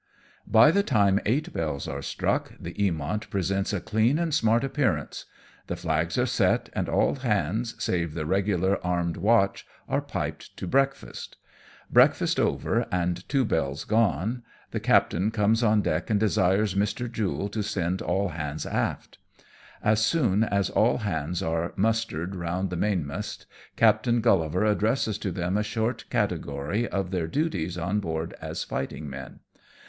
By the time eight bells are struck the Mamont presents a clean and smart appearance ; the flags are set, and all hands, save the regular armed watch, are piped to breakfast. Break fast over and two bells gone, the captain comes on deck and desires Mr. Jule to send all hands aft. As soon as all hands are mustered round the main mast. Captain Grullivar addresses to them a short category of their duties on board as fighting men.